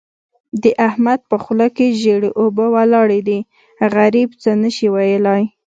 د احمد په خوله کې ژېړې اوبه ولاړې دي؛ غريب څه نه شي ويلای.